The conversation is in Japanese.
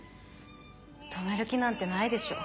止める気なんてないでしょ？